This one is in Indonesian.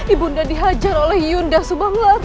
ibunda dihajar oleh yielda subang larang